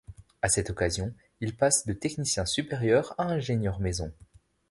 À cette occasion, il passe de technicien supérieur à ingénieur maison.